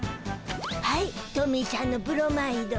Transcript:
はいトミーしゃんのブロマイド。